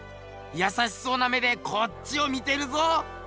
優しそうな目でこっちを見てるぞ。